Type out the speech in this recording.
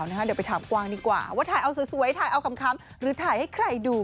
เดี๋ยวไปถามกวางดีกว่าว่าถ่ายเอาสวยถ่ายเอาคำหรือถ่ายให้ใครดู